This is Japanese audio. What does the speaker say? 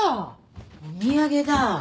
お土産だ。